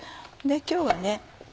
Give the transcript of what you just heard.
今日は。